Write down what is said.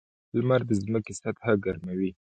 • لمر د ځمکې سطحه ګرموي.